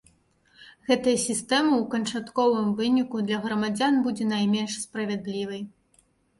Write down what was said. Гэтая сістэма ў канчатковым выніку для грамадзян будзе найменш справядлівай.